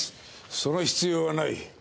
その必要はない。